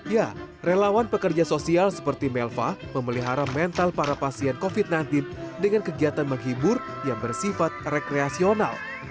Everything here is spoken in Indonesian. ya relawan pekerja sosial seperti melva memelihara mental para pasien covid sembilan belas dengan kegiatan menghibur yang bersifat rekreasional